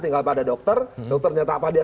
tinggal pada dokter dokter nyata apa dia